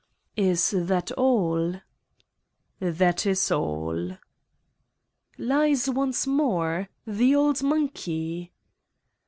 "Is that all!" "That is all." "Lies once more? The old monkey?"